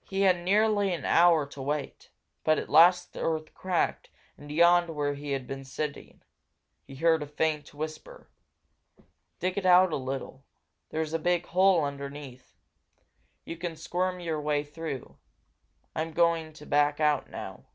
He had nearly an hour to wait. But at last the earth cracked and yawned where he had been sitting. He heard a faint whisper. "Dig it out a little there's a big hole underneath. You can squirm your way through. I'm going to back out now."